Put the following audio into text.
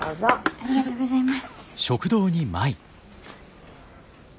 ありがとうございます。